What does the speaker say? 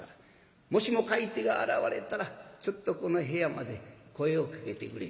もしも買い手が現れたらちょっとこの部屋まで声をかけてくれ」。